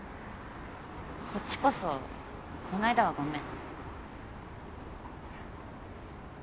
こっちこそこないだはごめん。